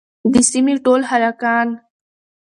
د سيمې ټول هلکان